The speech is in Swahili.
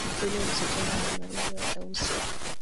Yule msichana ana maringo ya tausi.